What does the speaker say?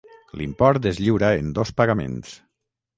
L'import es lliura en dos pagaments.